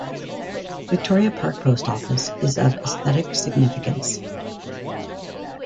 Victoria Park Post Office is of aesthetic significance.